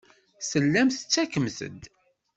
Tellamt tettakimt-d.